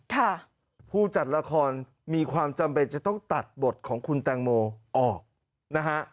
ผู้จัดละครมีความจำเป็นจะต้องตัดบทของคุณแตงโมออกนะฮะ